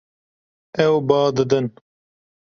Ew ba didin.